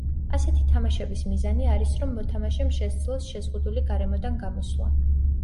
ასეთი თამაშების მიზანი არის რომ მოთამაშემ შესძლოს შეზღუდული გარემოდან გამოსვლა.